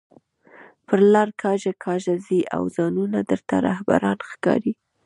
پر لار کاږه کاږه ځئ او ځانونه درته رهبران ښکاري